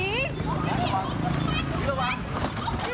พิธี